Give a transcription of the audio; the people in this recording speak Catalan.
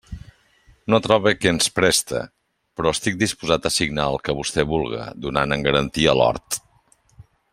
No trobe qui ens preste; però estic dispost a signar el que vostè vulga, donant en garantia l'hort.